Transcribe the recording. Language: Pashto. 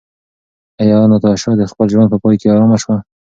ایا ناتاشا د خپل ژوند په پای کې ارامه شوه؟